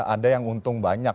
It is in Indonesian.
ada yang untung banyak